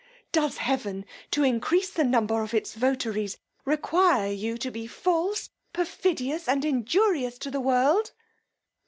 Does heaven, to increase the number of its votaries, require you to be false, perfidious, and injurious to the world!